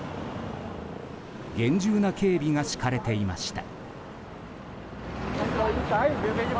厳重な警備が敷かれていました。